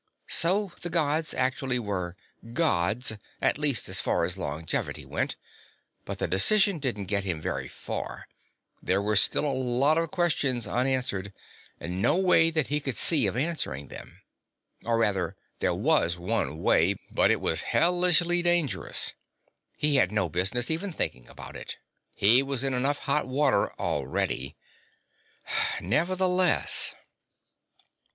So the Gods actually were "Gods," at least as far as longevity went. But the decision didn't get him very far; there were still a lot of questions unanswered, and no way that he could see of answering them. Or, rather, there was one way, but it was hellishly dangerous. He had no business even thinking about. He was in enough hot water already. Nevertheless....